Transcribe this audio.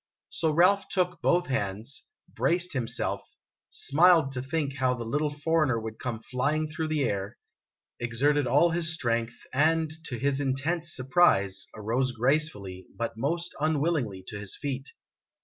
So Ralph took both hands, braced himself, smiled to think how the little foreigner would come flying through the air, exerted all his strength, and, to his intense surprise, arose gracefully, but most unwillingly, to his feet.